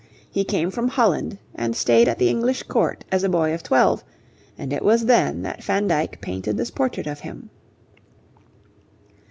He came from Holland and stayed at the English Court, as a boy of twelve, and it was then that Van Dyck painted this portrait of him.